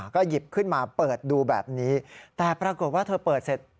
ก็หยิบขึ้นมาเปิดดูแบบนี้แต่ปรากฏว่าเธอเปิดเสร็จ